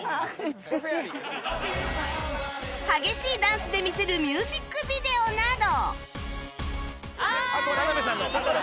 激しいダンスで見せるミュージックビデオなど